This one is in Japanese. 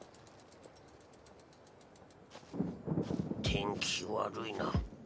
天気悪いな。